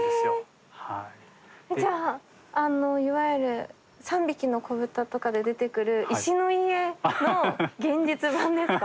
じゃあいわゆる「三匹のこぶた」とかで出てくる石の家の現実版ですか？